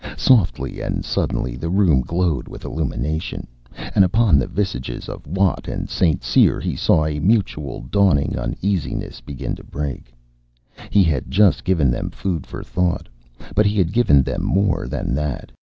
Softly and suddenly the room glowed with illumination. And upon the visages of Watt and St. Cyr he saw a mutual dawning uneasiness begin to break. He had just given them food for thought. But he had given them more than that.